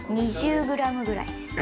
２０ｇぐらいです。